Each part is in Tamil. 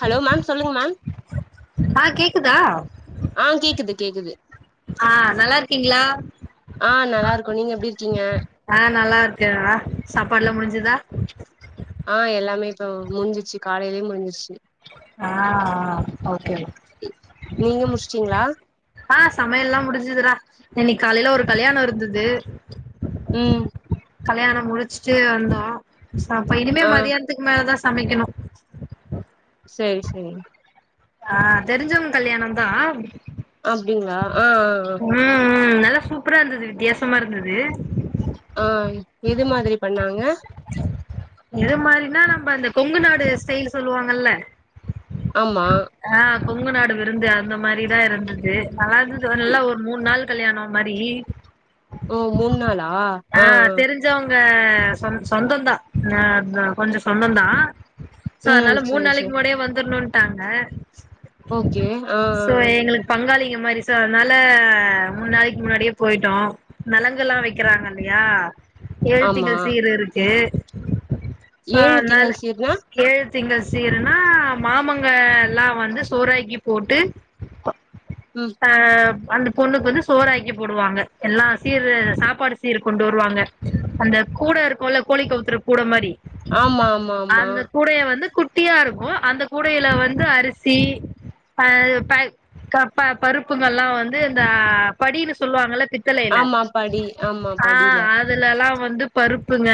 ஹலோ மேம் சொல்லுங்க மேம் ஆ கேக்குதா ஆஹ் கேக்குது கேக்குது ஆஹ் நல்லார்க்கிங்ளா கொ நீங்க எப்டிர்க்கிங்க ஆஹ் நல்லா இருக்கே அ சாப்பாட்லா முடிஞ்சுதா ஆஹ் எல்லாமே இப்ப முடிஞ்சிச்சு காலைலயே முடிஞ்சிச்சு ஆஹ் ஓகே நீங்க முடிச்சுட்டீங்களா ஆஹ் சமையல்லா முடின்சுதுடா என்னைக் காலைல ஒரு கல்யாணொ இருந்தது உம் கல்யாணொ முடிச்சுட்டு வந்தோ ச அப்ப இனிமே ஆ மதியானத்துக்கு மேலதா சமைக்கணு செரி சேரி ஆஹ் தெரிஞ்சோங்க கல்யாணந்தா அப்டிங்ளா ஆஹ் ஆஹ் ஆஹ் லா சூப்பரா இருந்தது வித்தியாசமா இருந்தது ஆஹ் எது மாதிரி பண்ணாங்க எது மாரின்னா நம்ம அந்த கொங்கு நாடு ஸ்டைல் சொல்லுவாங்கல்ல ஆமா ஆ கொங்கு நாடு விருந்து அந்த மாரிதா இருந்தது நாலா எதுஞ் சொல்ல இ- ஒரு மூண் நாள் கல்யாணோ மாரி ஓ மூண் நாளா ஆஹ் ஓர் க சொந் சொந்தந்தா கொஞ்ச சொந்தந்தா சோ ம் அதுனால மூண் செரி நாளைக்கு செரி முன்னாடியே வந்துர்ணுன் ட்டாங்க ஓகே ஆ ஆ ஆ ங்க [unintelligible] அதனால மூன்னாளைக்கு முன்னாடியே போயிட்டோ நழுங்கல்லா வெக்கிறாங்க ல்லயா ஆமா ஏழுத்திங்கள் சீர் இருக்கு சோ ஏழு அதனால திங்கள் சீர்னா ஏழு திங்கள் சீருனா மாமங்க எல்லா வந்து சோறாக்கி போட்டு ம் ஆ அந்த பொண்ணுக்கு வந்து சோறாக்கி போடுவாங்க எல்லா சீரு சாப்பாடு சீர் கொண்டு வருவாங்க அந்த கூடை இருக்குல்ல கோழி கவுத்துற கூட மாரி ஆமா ஆமா ஆமா அந்த கூடைய வந்து கு ட்டியா இருக்கு அந்த கூடையில வந்து அரிசி அ ப க ப பருப்புங்கள்லா வந்து இந்த படினு சொல்லுவாங்கல்ல பித்தளைல ஆமா படி ஆமா படில லா வந்து பருப்புங்க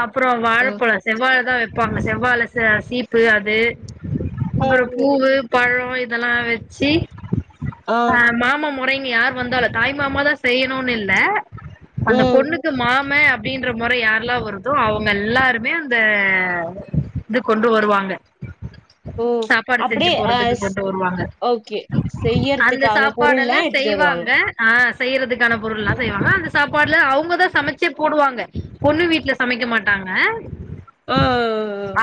அப்றோ ம் வாழப்பழோ செவ்வாழ தா வெப்பாங்க செவ்வாழ அ சீப்பு அது அப்றோ ம் ம் பூவு பழோ இதெல்லா வெச்சி ஆ மாமா முறை யார் வந்தாலு தாய் மாமா த செய்யணோன்னு இல்ல அந்த ம் பொண்ணுக்கு மா மே அப்டின்ற மொற யாரெல்லா வருதோ அவுங்க எல்லாருமே அந்த இத கொண்டு வருவாங்க ஓ சாப்பாடு செஞ்சி அப்டியே அ போட்றதுக்கு ஸ் கொண்டு வருவாங்க ஓகே அந்த செய்யறதுக்கான சாப்பாடு பொருள்லா எல்லா எடுத்துட்டு வருவாங்க செய்வாங்க ஆ செய்யறதுக்கான பொருள்லா செய்வாங்க அந்த சாப்பாட்லா அவுங்கதா சமைச்சே போடுவாங்க பொண்ணு வீட்டுல சமைக்க மாட்டாங்க ஆ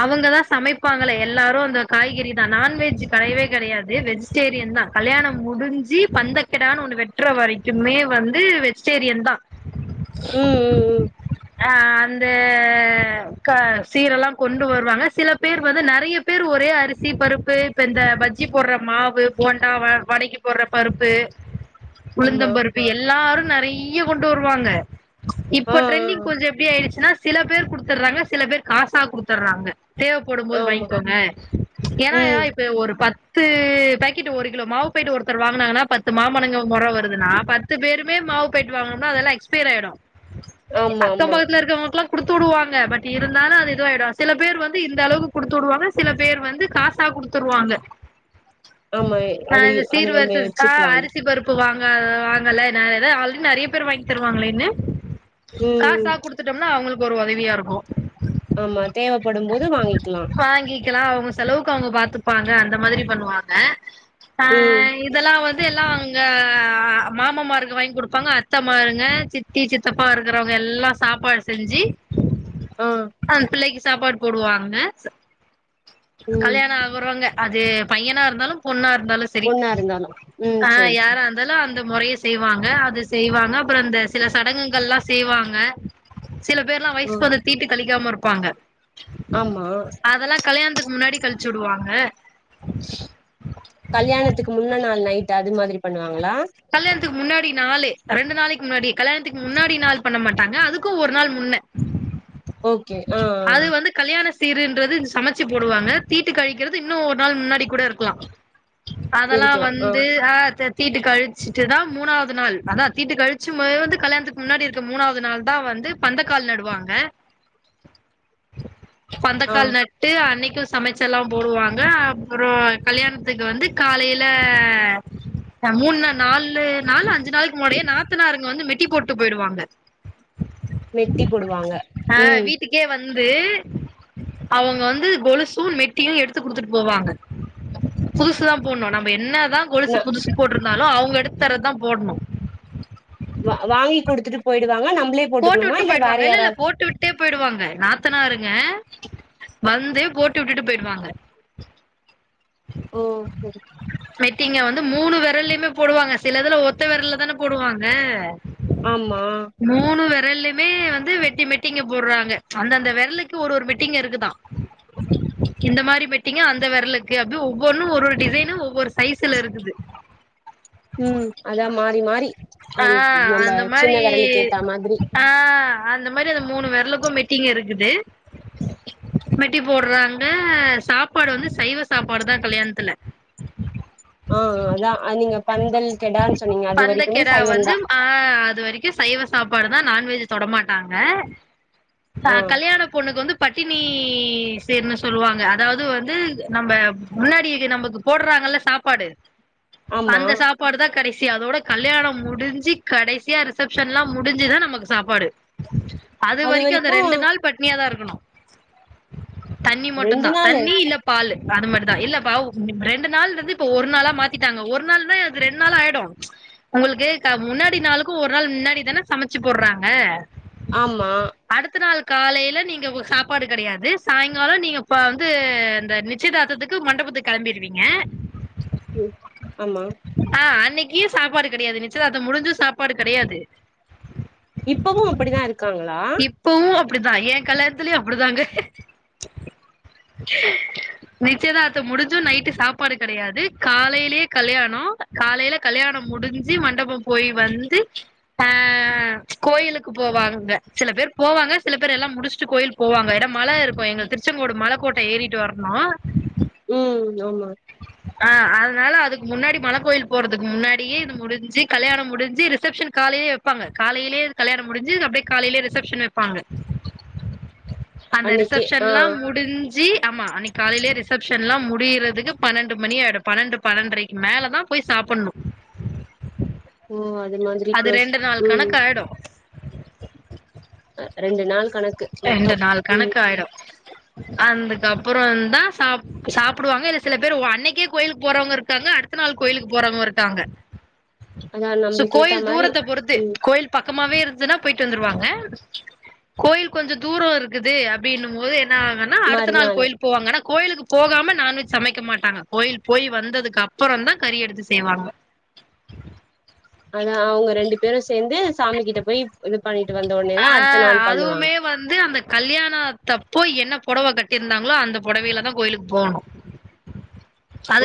அவங்கதா சமைப்பு ப்பாங்கள எல்லாரு அந்த காய்கறி தா நான்வெஜ் கிடையவே கிடையாது வெஜிடேரியன் தா கல்யாணம் முடிஞ்சு பந்தக்கிடான்னு ஒண்ணு வெற்ற வரை எமே வந்து வெஜிடேரியன் தான் ம் ம் ம் அஹ் அந்த க சீரெல்லாம் கொண்டு வருவாங்க சில பேர் வந்து நெறைய பேர் ஒரே அரிசி பருப்பு இப்ப இந்த பஜ்ஜி போடுற மாவு போண்டா வடைக்கு போடுற பருப்பு ஆமா உழுந் பருப்பு எல்லாரு நிறைய்ய கொண்டு வருவாங்க ஆ இப்போ ஆ ட்ரெண்டிங் ஆ. கொஞ்சொ எப்படி ஆயிருச்னா சில பேர் குடுத்துடுறாங்க சில பேர் காசா குடுத்துடுறாங்க தேவைப்படும் போது ஆமா வாங்கிக்கோங்க ஏன்னா ம் இப்ப ஒரு பத் பத்து பேக்கெட் ஒரு கிலோ மாவு பேக்கெட்டு ஒருத்தர் வாங்கினாங்கன்னா பத்து மாமணங்க முரவரும் புதுன பத்து பேருமே மாவு பேக்கெட்டு வாங்கணும்னா அதெல்லாம் எக்ஸ்பைரி ஆயிடு ஆமா அக்கம் ஆமா பக்கத்துல இருக்கவங்க குடுத்துடுவாங்க பட் இருந்தாலும் அது இதுவாயிடும் சில பேர் வந்து இந்த அளவுக்கு குடுத்துடுவாங்க சில பேர் வந்து காசா குடுத்துற்வாங்க ஆமா அது நான் அத சீர் நம்ம வரிச தா வச்சுக்கலான் அரிசி பருப்பு வாங்கன் வாங்கல்ல எ ஆல்ரெடி நிறைய பேர் வாங்கி தருவாங்களேன்னு ம் ம் காசா குடுத்துட்டோம்னா அவங்களுக்கு ஒரு உதவியாருக்கு ஆமா தேவைப்படும் போது வாங்கிக்கலா கலாம் அவங்க செலவுக்கு அவங்க பாத்துப்பாங்க அந்த மாதிரி பண்ணுவாங்க ம் ஆஹ் இதெல்லாம் வந்து எல்லாம் அங்க அஹ் மாமாமாருங்க வாங்கி கொடுப்பாங்க அத்தமாருங்க சித்தி சித்தப்பா இருக்கறவங்க எல்லாம் சாப்பாடு செஞ்சு ஆ அந் பிள்ளைக்கு சாப்பாடு போடுவாங்க ம் கல்யாணம் ஆவறங்க அது பையனா இருந்தாலும் பொண்ணா இ ருந்தாலும் சரி ஒன்னா இருந்தாலு ம் ஆஹ் சரி யார சரி அந்த முறையை செய்வாங்க அது செய்வாங்க அப்பறம் அந்த சில சடங்குங்கள் எல்லாம் செய்வாங்க சில பேர்லாம் ஆ வயசுக்கு வந்து தீட்டு களி க்காம இருப்பாங்க ஆமா அதெல்லா கல்யாணத்துக்கு முன்னாடி கழிச்சு விடுவாங்க கல்யாணத்துக்கு முன்ன நாள் நைட் அது மாரி பண்ணுவா கல்யாணத்துக்கு முன்னாடி நாளே ரெண்டு நாளைக்கு முன்னாடி கல்யாணத்துக்கு முன்னாடி நாள் பண்ண மாட்டாங்க அதுக்கூ ஒரு நாள் முன்ன ஓகே ஆஆ அது வந்து கல்யாண சீருன்றது சமச்சு போடுவாங்க தீட்டு கழிக்கறது இன்னூ ஒரு நாள் முன்னாடி கூட இருக்லா அதல்லா வந்து ஆ தெ தீட்டு கழிச்சுட்டுதா மூணாவது நாள் அதா தீட்டு கழிச்சு [unintelligible] கல்யாணத்துக்கு முன்னாடி இருக்க மூணாவது நாள் தா வந்து பந்தக்கால் நடுவாங்க ஆ பந்தக்கால் நட்டு அன்னிக் கு சமைச்சல்லா போடுவாங்க அப்றோ கல்யாணத்துக்கு வந்து காலையில மூணு இல்ல நாலு நானு அஞ்சு நாளுக்கு முன்னாடியே நா த்தனாருங்க வந்து மெட்டி போட்டு போயிடுவாங்க மெட்டி போடுவாங்க ம் கே வந்து அவுங்க வந்து கொலுசூ மெட்டியூ எடுத்து குடுத்துட்டு போவாங்க புதுசுதா போடணு நம்ம என்ன தா ந கொலுசு புதுசு போட்டுர் தாலூ அவுங்க எடுத்து தர்றதா போடணு வா வாங்கி குடுத்துட்டு போயிடுவாங்க நம் போட்டு விட்டு போயிருவாங்க இல்லல்ல போட்டு விட்டே போயிருவாங்க நாத்தனாருங்க வந்து போட்டு விட்டுட்டு போயிடுவாங்க ஓ சரி மெட்டிங்க வந் மூணு விரல்லயுமே போடுவாங்க சிலதுலா ஒத்த விரல்ல தானே போடுவாங்க ஆமா உ விரல்லயுமே வந்து வெட்டி மெட்டிங்க போடுறாங்க அந்த அந்த விரலுக்கு ஒரு ஒரு மெட்டிங்க இருக்குதா இந்த மாரி மெட்டிங்க அந்த விரலுக்கு அப்ப ஒவ்வொன்னூ ஒரு ஒரு டிசைனு ஒவ்வொரு சைஸ்லருக்குது ம் அதா மாரி மாரி ஆ ம் நம்ம அந்த சின்ன மாரி விரலுக்கேத்த மா த்ரி ஆ அந்த மாரி அந்த மூணு விரலுக்கூ மெட்டிங்கருக்குது மெட்டி போடுறாங்க சாப்பாடு வந்து சைவ சாப்பாடு தா கல்யாணத்துல ஆஆ அதா அது நீங்க பண் பண்கெடான் பந்தக்கெடா வந்து ஆ அது வரீக்கூ சைவ சாப்பாடு தா நான்வெஜு தொட மாட்டாங்க ஆ கல்யாண பொண்ணுக்கு வந்து பட்டினி ஈ சீர்னு சொல்லுவாங்க அதாவ்து வந்து நம்ம முன்னாடிகி நமக்கு போடுறாங்கல்ல சாப்பாடு ஆமா அந்த சாப்பாடு தான் கடஸ் சி அதோட கல்யாணோ முடிஞ்சி கடைசியா ரிசப்சஷன்லா முடிஞ்சுதா நமக்கு சாப்பாடு அது வரைக்கூ அந்த ரெண்டு நாள் பட்னியா தா இரு [inaudible] தண்ணி மட்டும் தா ரெண்டு நாளு தண்ணி இல்ல பால் அது மட்டுதா இல்லப்பா ரெண்டு நாள் இருந்து இப்ப ஒரு நாளா மாத்திட்டாங்க ஒரு நாள் தா அது ரெண்டு நாள் ஆயிடும் உங்களுக்கு முன்னாடி நாளுக்கும் ஒரு நாள் முன்னாடி தானே சமைச்சு போடுறாங்க ஆமா அடுத்த நாள் காலையில நீங்க சாப்பாடு கிடையாது சாயங்காலம் நீங்க இப்ப வந்து இந்த நிச்சயதார்த்தத்துக்கு மண்டபத்து கிளம்பிருவீங்க உம் ஆமா அன்க்க ய சாப்பாடு கிடையாது நிச்சயதார்தம் முடிஞ்சு சாப்பாடு கிடையாது இப்பவு அப்டிதா இருக்காங்களா இப்பவும் அப்படிதா என் கல்யாணத்திலயும் அப்படிதாங்க நிச்சயதார்தம் முடிஞ்சும் நைட்டு சாப்பாடு கிடையாது காலையிலயே கல்யாணம் காலையில கல்யாணம் முடிஞ்சு மண்டபம் போய் வந்து அஹ் கோயிலுக்கு போவாங்க சில பேர் போவாங்க சில பேர் எல்லாம் முடிச்சுட்டு கோயில் போவாங்க என மழை இருக்கும் எங்க திருச்செங்கோடு மலைக்க கோட்டை ஏறிட்டு வரணோம் உம் ஆமா ஆஹ் அதனால அதுக்கு முன்னாடி மலை கோயில் போடுறதுக்கு முன்னாடியே முடிஞ்சு கல்யாணம் முடிஞ்சு ரிசெப்ஷன் காலையே வைப்பாங்க காலையே கல்யாணம் முடிஞ்சு அப்படியே காலையிலயே ரிசப்ஷன் வைப்பாங்க அந்த அன்னைக்கே ஆ ரிசப்ஷன்ல்லாம் முடிஞ்ஜி ஆமா அன்க்கு காலையிலே ரிசபஷன் எல்லாம் முடியறதுக்கு பன்னெண்டு மணி ஆயிடும் பன்னெண்டு பன்னெரைக்கு மேல தா போய் சாப்புணும் ஓ [unintelligible] அது ப்ரோஸ் ரெண்டு நாள் ம் கணக்காய்டும் ரெண்டு நாள் கணக்கு மொத்தோ ரெண்டு நாள் ம் கணக்கு ஆயிடும் அந்துக்கப் அப்புறம் தான் சாப் சாப்புடுவாங்க இல்ல சில பேர் அன்னைக்கே கோயிலுக்கு போறவங்க இருக்காங்க அடுத்த நாள் கோயிலுக்கு போறவங்க இருக்காங்க அதா சோ நம்பளுக்கு ஏத்தா கோயில் மாரி தூரத்த பொறுத்து ம் கோயில் பக்கமாவே இருந்துதுன்னா போயிட்டு வந்துருவாங்க [inaudible] கோயில் கொஞ்சம் தூரம் இருக்குது அப்படின்னும் போது நாங்கன்னா அடுத்த நாள் மறுநாளு கோயில் போவாங்கன்னா கோயிலுக்கு போகாம நான்வெஜ் சமைக்க மாட்டாங்க கோயி போய் வந்ததுக்கு அப்புறம் தா கறி எடுத்து செய்வாங்க அதா அவங்க ரெண்டு பேரும் சேர்ந்து சாமி கிட்ட போய் இது பண்ணிட்டு வந்த உடனேதா ஆ அடுத்த நாள் பண்ணுவாங்க அதுவுமே வந்து அந்த கல்யாணத்தப்போ என்ன புடவை கட்டியிருந்தாங்களோ அந்த புடவையிலதா கோயிலுக்கு போணும்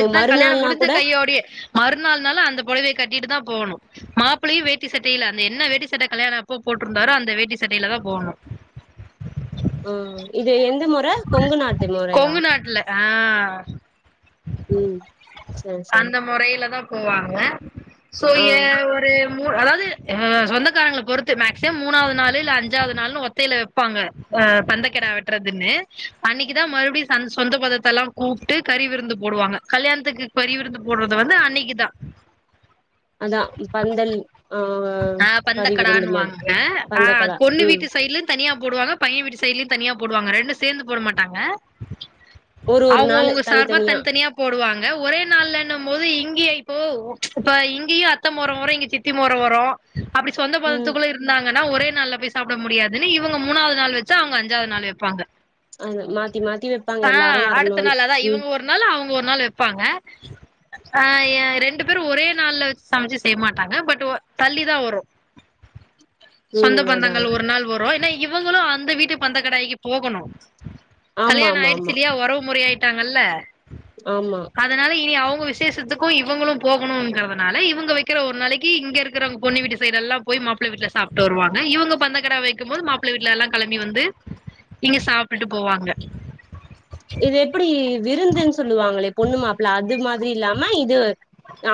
ஓ கல்யாணம் மறுநாள்னா முஞ்ச கூட கையோடையே மறுநாள்னால அந்த புடவைய கட்டிட்டு தா போணும் மாப்பிளையும் வேட்டி சட்டைல அந்த என்ன வேட்டி சட்டை கல்யாணம் அப்போ போட்டிருந்தாரோ அந்த வேட்டி சட்டையில தான் போணும் உம் இப் கொங்கு நாாட்டுல ஆஹ் ம் சரி சரி அந்த முறையில தா போவாங்க சோ ஆ ஏ ஒரு அதாவது ஆ சொந்தக்காரங்களப் பொறுத்து மேக்சிமம் மூணாவது நாளு இல்ல அஞ்சாவது நாளுனு ஒத்தையில வைப்பாங்க பந்தக்கெடா வெட்டறதுன்னு அன்னைக்கிதா மறுபடியு சந் சொந்த பந்தத்தல்லா கூப்ட்டு கறி விருந்து போடுவாங்க கல்யாணத்துக்கு கறி விருந்து போடுறது வந்து அன்னக்கிதா அதா இ பந்தல் ஆ ஆஹ் கறி விருந்து மாரி பந்தக்கடான்னுவாங்க ஆஹ் அது பந்தக்கடா பொண்ணு ம் வீட்டு சைட்லனு தனியா போடுவாங்க பையன் வீட்டு சைட்லயு தனியா போடுவாங்க ரெண் டு சேந்து போட மாட்டாங்க ஒரு ஒரு நாளு அவங்கவுங்க சார்பா தனித்தனியா போடுவாங்க ஒரே நாள்லனு போது இங்கேய் போ ஓ இப்ப இங்கேயு அத்த மொற வரு இங்க சித்தி மொற வரு ரு அப்டி சொந்த ம் பந்தத்துக்குள்ள இருந்தாங் ங்கனா ஒரே நாள்ல போய் சாப்பிட முடியாதுனு இவங்க மூணாவது நாள் வச்சு அவங்க அஞ்சாவது நாள் வைப்பாங்க அது மாத்தி மாத்தி வெப்பாங்க எல்லாரு ஆஹ் அடுத்த வரணுனு நாள் அதா ம் இவங்க ஒரு நாள் அவங்க ஒரு நாள் வெப்பாங்க ஆ யே ரெண்டு பேரு ஒரே நாள்ல சமச்சு செய்ய மாட்டாங்க பட் ஒ தள்ளிதா வரு சொந்த ம் அதா பந்தங்கள் அதா ஒரு நாள் வரு ஏனா இ இவங்களு அந்த வீட்டு பந்த கடாய்க்கு போகணு ஆமா கல்யாணொ ஆமா ஆயிடுச்சு ஆமா இல்லையா ஒறவு முறை ஆயிட் ட்டாங்கல்ல ஆமா அதனால இனி அவுங் க விசேஷத்துக்கும் இவங்களும் போகணுங்கிறதுனால இவங்க வைக்கிற ஒரு நாளைக்கு இங்க இருக் க்கிறவங்க பொண்ணு வீட்டு சைடெல்லா போய் மாப்பிள வீட்டுல சாப்ட்டு வருவாங்க இவங்க பந்த கடா வைக்கும் போது மாப்பிளை வீட்டுல எல்லா கெளம்பி வந்து இங்க சாப்டுட்டு போவாங்க இது எப்டி விருந்துன்னு சொல்லுவாங்களே பொண்ணு மாப்பிள்ள அது மா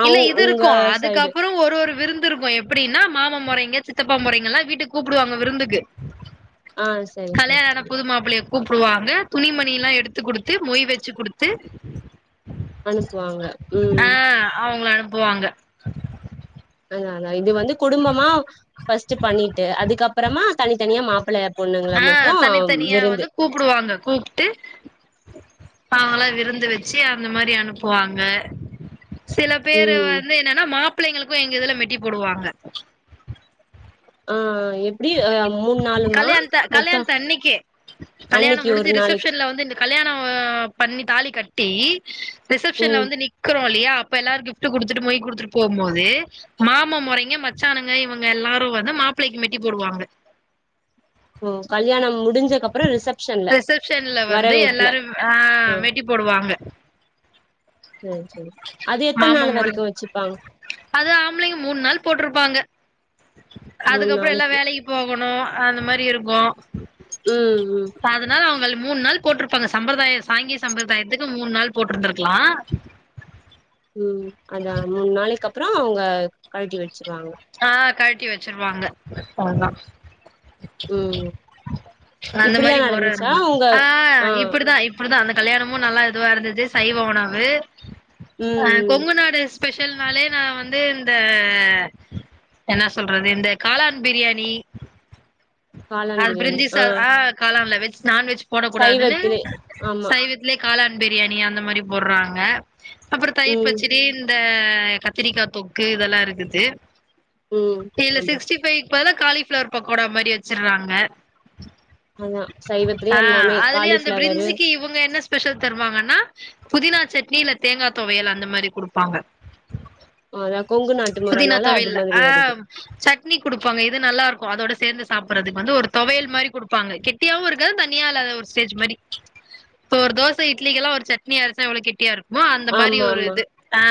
இல்ல இது உங்க இருக்கு சைடு அதுக்கப்பறொ ஒரு ஒரு விருந்து இருக்கு எப்படின்னா மாமா மொறை ங்க சித்தப்பா மொறைங்கல்லா வீட்டுக்கு கூப்பிடுவாங்க விருந்துக்கு ஆ சரி சரி கல்யாணான சரி புது மாப்ளயே கூப்புடுவாங்க, துணிமணில்லா எடுத்து குடுத்து, மொய் வச்சு குடுத்து. அனுப்புவாங் ஆஹ், அவங்கள அனுப் னுப்புவாங்க. அதாங்க ஆங்க, இது வந்து குடும்பமா ஃபஸ்ட் பண்ணிட்டு அதுக்கப்பறமா தனித்தனியா மாப்பிள்ள பொண்ணுங்கள ஆ மட்டு தனித்தனியா விருந்து வந்து கூப்டுவாங்க பா அவங்கல்லா விருந்து வச்சு அந்த மாரி அனுப்புவாங்க. சில பேரு ம் வந்து, என்னன்னா மாப் பிள்ளைங்களுக்கு எங்க இதுல மெட் டி போடுவாங்க. ஆ எப்டி அ மூணு நாளுமா கல்யாண்த்த, மொத்தோ கல்யாணத்தன்னைக்கு, கல்யாணம் அன்னைக்கு ஒரு முடிஞ்சு நாளைக்கு ரிசப்ஷன்ல வந்து இந்த கல்யாணொ பண்ணி தாலி கட்டி, ரிசெப்ஷன்ல ம் வந்து நிக்றோ போ இல்லயா அப்ப எல்லாரு, கிஃப்ட் குடுத்துட்டு மீய் குடுத்துட்டு போம்போது மாம முறைங்க மச்சான்னுங்க இவங்க எல்லாரு, வந்து மாப்பிளைைக்கு மெட். டி போடுவாங்க. ஓ கல்யாணம் முடிஞ்சக்கு அப்பறோ ரிசப்ஷன்ல ரிசபஷன்ல வந்து வரவேற்புல எல்லாரு, ஆஹ் மெட்டி போடுவாங்க. சேர் சேரி அது எத்த மாமா நாள் மொறை வரைக்கு, வெச்சுப்பாங்க அது ஆம்பளைங்க, மூண் நாள் போட்டிருப்பாங்க. மூணு அதுக்கப்புறோ எல்லா நாளைக்கு வேலைக்கு போகணு அந்த மாரி இருக்கு ம் ம் அதனால அவுங்கள் மூண் நாள் போட்டிருப்பாங்க, சம்பிரதாய சாங்கிய சம்பிரதாயத்துக்கு மூண் நாள் போட்டிருந்திருக்கலா உம், அதா மூண் நாளைக்கு அப்புறோ அவுங்க கழட்டி வெச்சிருவாங்க. ஆஹ், கழட்டி வெச்சிருவாங்க அதா ம் அந்த இப்டிதா மாரி முற நடந்துச்சா உங்க ஆஹ் ஆ இப்படிதா இப்படிதா அந்த, கல்யாணமும், நல்லா இதுவா இருந்தது சைவ உணவு, ம் அஹ், ம் கொங்கு நாடு ஸ்பெஷல்னாலே நா வந்து இந்த, என்னா சொல்றது. இந்த காளான் பிரியாணி, காளான் அது பிரியாணி பிரிஞ்சி சா ஆ ஆஹ் காளான்ல வெஜ் நான்வெஜ் போடக்க கூடாதுன்னு. சைவத்திலே ஆமா சைவத்துலே, காளான் பிரியாணி, அந்த மாரி போடுறாங்க. அப்புறோ தயிர் ம் பச்சிடி, இந்த கத்திரிக்கா தொக்கு இதெல்லா இருந்தது. ம் இல்ல, ஆமா சிக்ஸ்டி ஃபைவ் இப்பதா காலிஃப்ளவர் பக்கோடா மாரி அது வெச்சுடறாங்க அதா சைவத்திலியே எல்லாமே அந்த காலிஃப்ளவரு பிரிஞ்சிக்கு இவங்க என்ன ஸ்பெஷல் தருவாங்கன்னா புதினா சட்னி இல்ல தேங்கா தொவயல் அந்த மாரி குடுப்பாங்க அதா கொங்கு நாட்டு புதினா முறனால அது தொவையல்ல மாதிரி ஆ வருது சட்னி குடுப்பாங்க இது நல்லாருக்கு அதோட சேஞ்சஸ் சாப்பிடறதுக்கு வந்து ஒரு தொவையல் மாரி குடுப்பாங்க கெட்டியாவு இருக்காது தண்ணியால்லாத ஒரு ஸ்டேஜ் மாரி இப்போ ஒரு தோச இட்லிக்கெல்லா ஒரு சட்னி அரச்சா எவ்ளோ கெட்டியாருக் குமோ அந்த மாரி ஆமா ஒரு ஆமா இது ஆ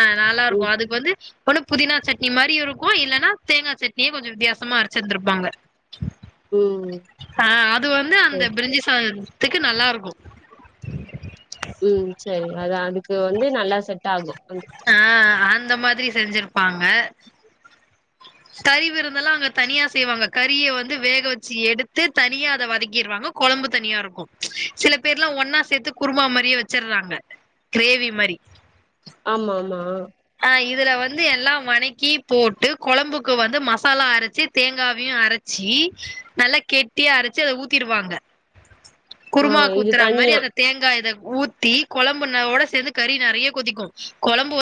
ம் நல்லாருக்கு அதுக்கு வந்து ஒன்னு புதினா சட்னி மாரி இருக்கு இல்லனா தேங்கா சட்னியே கொஞ்சொ விதியாசமா அரச்சிருந்துருப்பாங்க ம் ஆ அது வந்து அந்த சரி பிரிஞ்சுசாத த்துக்கு நல்லாருக்கு ம் சேரி அதா அதுக்கு வந்து நல்லா செட்டாகு ஆ அந்த மாதிரி செஞ்சிருப்பாங்க கறி விருந்தல்லா அங்க தனியா செய்வாங்க கறய வந்து வேக வெச்சு எடுத்து தனியா அத வதக்கீர்வாங்க கொழம்பு தனியா இருக்கு ப்ச் சில பேர்ல்லா ஒன்னா சேத்து குருமா மாரியே வெச்சிர்றாங்க க்ரேவி மாரி ஆமா ஆமா அ இதுல வந்து எல்லா வணக்கி போட்டு கொழம்புக்கு வந்து மசாலா அரச்சு தேங்காவியு அரச்சி நல்லா கெட்டியா அரச்சு அத ஊத்திருவாங்க ஆ குருமாக் இது கூத்தற மாரி தனியா அந்த தேங்கா இத ஊத்தி குொழம்புன ஓட சேந்து கறி நறையா கொதிக்கு கொழம்பு